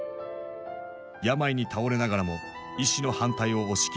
病に倒れながらも医師の反対を押し切って参加。